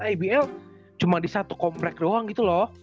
ibl cuma di satu komplek doang gitu loh